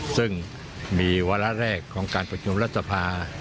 ซึ่งมีวาระแรกของการประชุมรัฐสภา